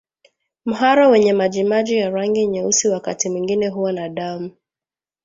Mharo wenye majimaji ya rangi nyeusi wakati mwingine huwa na damu